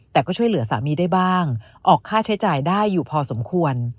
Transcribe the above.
แต่ก็ช่วยเหลือสามีได้บ้างออกค่าใช้จ่ายได้อยู่พอสมควร